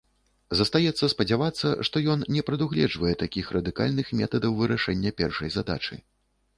Застаецца спадзявацца, што ён не прадугледжвае такіх радыкальных метадаў вырашэння першай задачы.